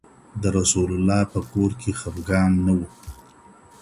د رسول الله په کور کي خفګان نه وو.